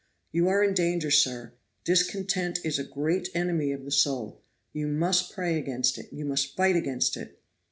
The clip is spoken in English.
You are in danger, sir. Discontent is a great enemy of the soul. You must pray against it you must fight against it."